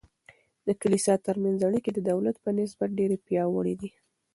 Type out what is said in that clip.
د کلیسا ترمنځ اړیکې د دولت په نسبت ډیر پیاوړي دي.